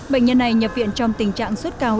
bệnh nhân này nhập viện trong tình trạng suốt cao